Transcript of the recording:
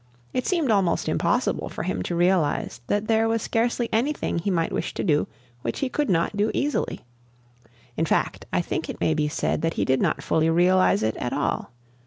It seemed almost impossible for him to realize that there was scarcely anything he might wish to do which he could not do easily; in fact, I think it may be said that he did not fully realize it at all.